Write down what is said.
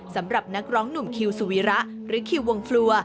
สำหรับนักร้องหนุ่มคิวสุวีระหรือคิววงฟลัว